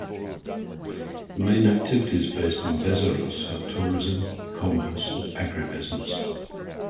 The main activities based in "Bezerros" are tourism, commerce and agribusiness.